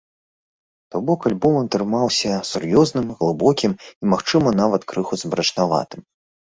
То бок, альбом атрымаўся сур'ёзным, глыбокім і, магчыма, нават крыху змрачнаватым.